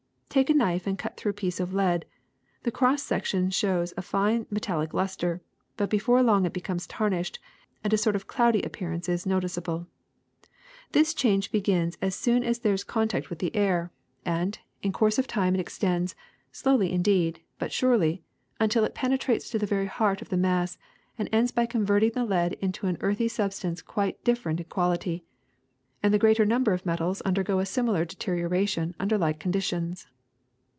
Take a knife and cut through a piece of lead. The cross section shows a fine metal lic luster, but before long it becomes tarnished and a sort of cloudy appearance is noticeable. This change begins as soon as there is contact with the 159 160 THE SECRET OF EVERYDAY THINGS air, and in course of time it extends, slowly indeed, but surely, until it penetrates to the very heart of the mass and ends by converting the lead into an earthy substance quite different in quality. And the greater number of metals undergo a similar deterior ation under like conditions.